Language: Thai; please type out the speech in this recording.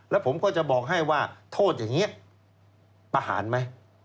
แล้วผมก็จะบอกให้ว่าโทษอย่างนี้ประหารไหม